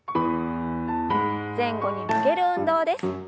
前後に曲げる運動です。